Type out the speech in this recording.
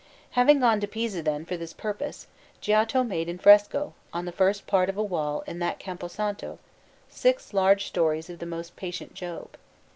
Having gone to Pisa, then, for this purpose, Giotto made in fresco, on the first part of a wall in that Campo Santo, six large stories of the most patient Job.